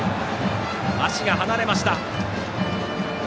足が離れました。